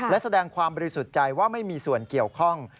และแสดงความบริสุทธิ์ใจว่าไม่มีส่วนเกี่ยวข้อง